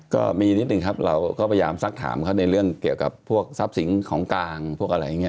ก็มีนิดหนึ่งครับเราก็พยายามซักถามเขาในเรื่องเกี่ยวกับพวกทรัพย์สินของกลางพวกอะไรอย่างนี้